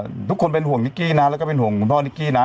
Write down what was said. ทุกคนเป็นห่วงนิกกี้นะแล้วก็เป็นห่วงคุณพ่อนิกกี้นะ